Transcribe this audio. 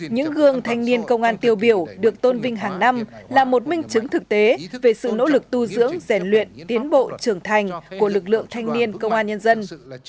những gương thanh niên công an tiêu biểu được tôn vinh hàng năm là một minh chứng thực tế về sự nỗ lực tu dưỡng rèn luyện tiến bộ trưởng thành của lực lượng thanh niên công an nhân dân